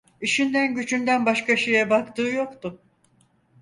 İşinden gücünden başka şeye baktığı yoktu.